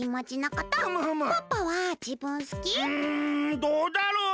うんどうだろう。